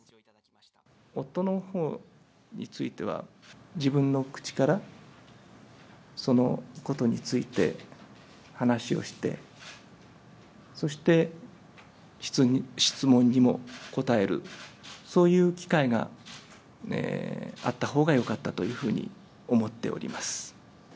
夫のほうについては、自分の口からそのことについて話をして、そして質問にも答える、そういう機会があったほうがよかったというふうに思っております。